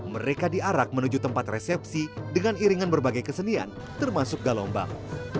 mereka diarak menuju tempat resepsi dengan iringan berbagai kesenian termasuk galombang